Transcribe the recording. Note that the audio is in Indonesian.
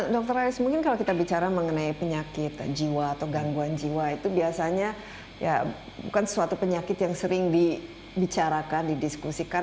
dr aris mungkin kalau kita bicara mengenai penyakit jiwa atau gangguan jiwa itu biasanya ya bukan suatu penyakit yang sering dibicarakan didiskusikan